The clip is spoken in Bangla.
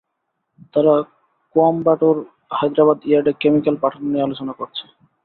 তারা কোয়েম্বাটুর এবং হায়দ্রাবাদ ইয়ার্ডে কেমিকেল পাঠানো নিয়ে আলোচনা করছে।